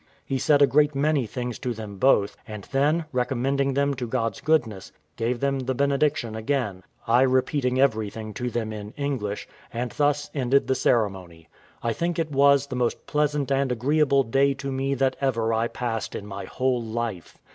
He said a great many good things to them both; and then, recommending them to God's goodness, gave them the benediction again, I repeating everything to them in English; and thus ended the ceremony. I think it was the most pleasant and agreeable day to me that ever I passed in my whole life.